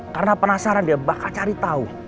karena penasaran dia bakal cari tau